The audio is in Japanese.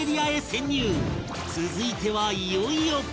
続いてはいよいよ